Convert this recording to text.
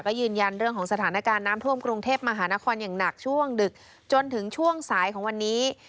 ก็ยืนยันเรื่องของสถานการณ์น้ำท่วมกรุงเทพมหานครอย่างหนักช่วงดึกจนถึงช่วงสายของวันนี้